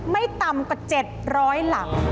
ไม่ต่ำกว่า๗๐๐หลัง